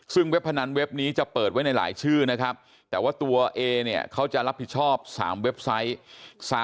ซึ่งเว็บพนันเว็บนี้จะเปิดไว้ในหลายชื่อนะครับแต่ว่าตัวเอเนี่ยเขาจะรับผิดชอบ๓เว็บไซต์